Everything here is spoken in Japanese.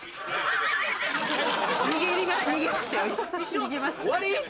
逃げましたよ。